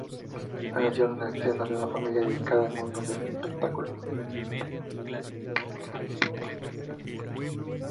Nació en el seno de una familia dedicada al mundo del espectáculo.